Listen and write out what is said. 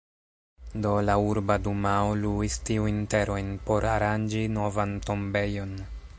Do la Urba Dumao luis tiujn terojn por aranĝi novan tombejon.